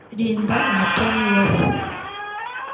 Linda Umutoniwase